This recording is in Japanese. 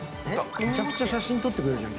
めちゃくちゃ写真撮ってくれるじゃん